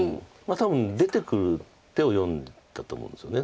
多分出ていく手を読んでたと思うんですよね